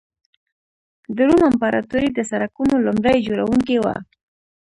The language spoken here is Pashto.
د روم امپراتوري د سړکونو لومړي جوړوونکې وه.